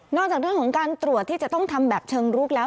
จากเรื่องของการตรวจที่จะต้องทำแบบเชิงรุกแล้ว